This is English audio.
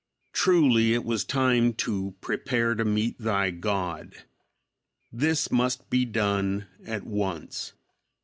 Truly it was time to "prepare to meet thy God." This must be done at once.